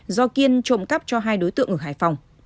do kiên trộm cắp cho hai đối tượng ở hải phòng